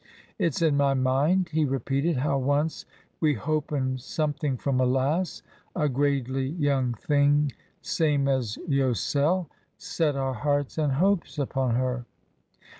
It's in my mind," he repeated, " how once we hopen something from a lass — a gradely young thing same as yosel — set our hearts and hopes upon her."